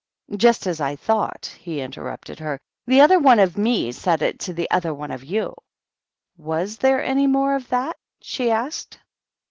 " Just as I thought," he interrupted her. " The other one of me said it to the other one of you.^^ " Was there any more of that ?" she asked.